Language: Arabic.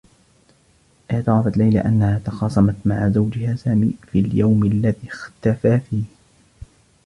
اعترفت ليلى أنّها تخاصمت مع زوجها سامي في اليوم الذي اختفى فيه.